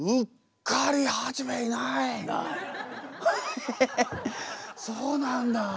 ええそうなんだ。